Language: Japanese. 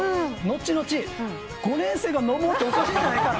後々５年生が「飲もう」っておかしいじゃないかと。